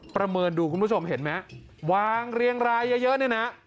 ประเมินดูคุณผู้ชมเห็นไหมวางเรียงรายเยอะเนี่ยนะ